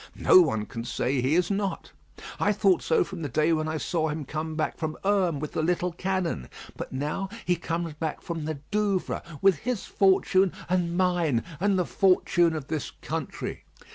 No one can say he is not. I thought so from the day when I saw him come back from Herm with the little cannon. But now he comes back from the Douvres with his fortune and mine, and the fortune of this country.